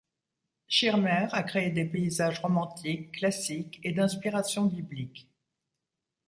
Schirmer a créé des paysages romantiques, classiques et d'inspiration biblique.